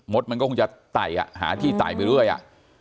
ดมันก็คงจะไต่อ่ะหาที่ไต่ไปเรื่อยอ่ะ